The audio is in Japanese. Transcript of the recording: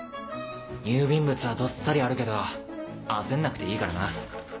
郵便物はどっさりあるけど焦んなくていいからな。